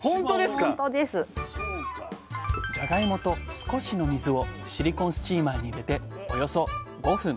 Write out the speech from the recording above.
じゃがいもと少しの水をシリコンスチーマーに入れておよそ５分。